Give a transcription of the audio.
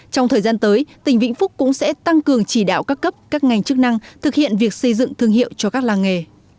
trong thời gian tới tỉnh vĩnh phúc cũng sẽ tăng cường chỉ đạo các cấp các ngành chức năng thực hiện việc xây dựng thương hiệu cho các làng nghề